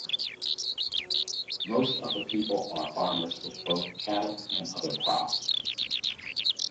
Most of the people are farmers with both cattle and other crops.